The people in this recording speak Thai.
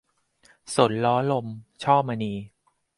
สนล้อลม - ช่อมณี